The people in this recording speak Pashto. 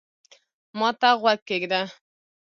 ما ته غوږ کېږده